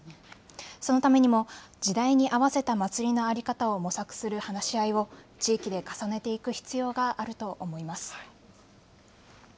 そのためにも時代に合わせた祭りの在り方を模索する話し合いを地域で重ねていく必要があると思います。